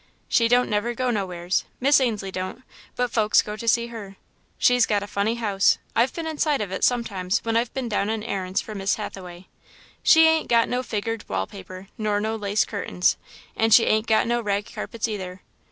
She don't never go nowheres, Miss Ainslie don't, but folks goes to see her. She's got a funny house I've been inside of it sometimes when I've been down on errands for Miss Hathaway. She ain't got no figgered wall paper, nor no lace curtains, and she ain't got no rag carpets neither.